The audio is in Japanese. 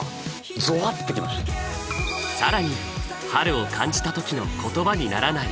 更に春を感じた時の言葉にならない